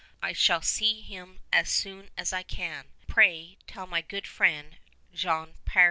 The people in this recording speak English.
I shall see him as soon as I can. Pray tell my good friend, Jan Peré.